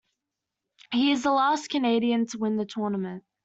He is the last Canadian to win the tournament.